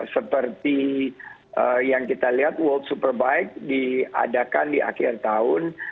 seperti yang kita lihat world superbike diadakan di akhir tahun